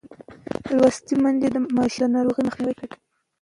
لوستې میندې د ماشوم د ناروغۍ مخنیوی کوي.